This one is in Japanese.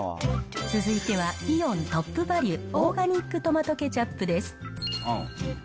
続いてはイオントップバリュオーガニックトマトケチャップです。